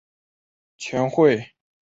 全会把王明推上中共的最高领导岗位。